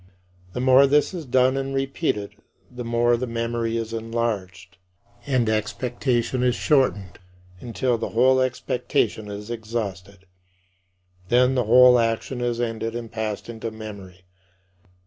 The more this is done and repeated, the more the memory is enlarged and expectation is shortened until the whole expectation is exhausted. Then the whole action is ended and passed into memory.